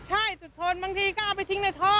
ใช่สุดทนบางทีก็เอาไปทิ้งในท่อ